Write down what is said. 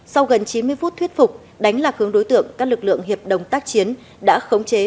sau gần chín mươi phút thuyết phục đánh lạc hướng đối tượng các lực lượng hiệp đồng tác chiến đã khống chế